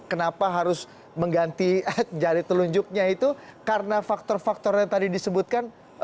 kenapa harus mengganti jari telunjuknya itu karena faktor faktor yang tadi disebutkan